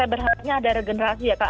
berharapnya ada regenerasi ya kak